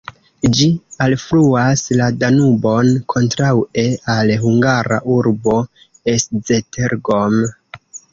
Ĝi alfluas la Danubon kontraŭe al hungara urbo Esztergom.